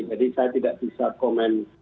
jadi saya tidak bisa komen